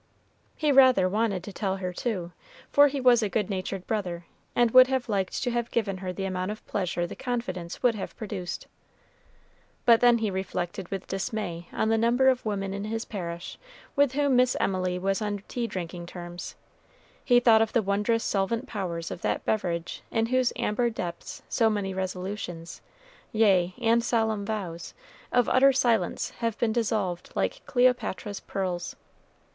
He rather wanted to tell her, too, for he was a good natured brother, and would have liked to have given her the amount of pleasure the confidence would have produced; but then he reflected with dismay on the number of women in his parish with whom Miss Emily was on tea drinking terms, he thought of the wondrous solvent powers of that beverage in whose amber depths so many resolutions yea, and solemn vows, of utter silence have been dissolved like Cleopatra's pearls.